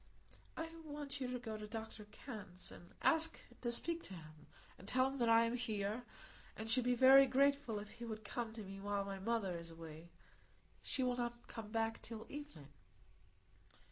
"I want you to go to Dr Kenn's, and ask to speak to him, and tell him that I am here, and should be very grateful if he would come to me while my mother is away. She will not come back till evening."